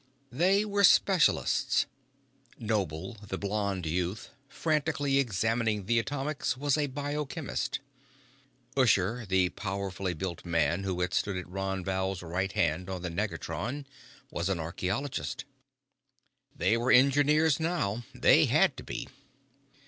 They were specialists. Noble, the blond youth, frantically examining the atomics, was a bio chemist. Ushur, the powerfully built man who had stood at Ron Val's right hand on the negatron, was an archeologist. They were engineers now. They had to be.